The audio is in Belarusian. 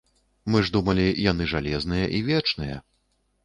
Мы ж думалі, яны жалезныя і вечныя.